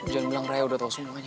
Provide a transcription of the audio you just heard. jangan bilang raya udah tau semuanya